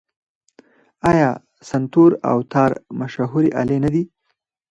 آیا سنتور او تار مشهورې الې نه دي؟